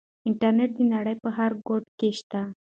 انټرنيټ د نړۍ په هر ګوټ کې شته.